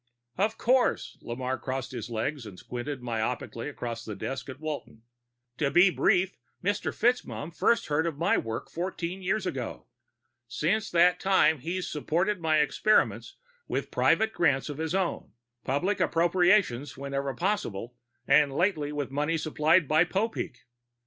"Of course." Lamarre crossed his legs and squinted myopically across the desk at Walton. "To be brief, Mr. FitzMaugham first heard of my work fourteen years ago. Since that time, he's supported my experiments with private grants of his own, public appropriations whenever possible, and lately with money supplied by Popeek.